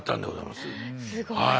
すごい。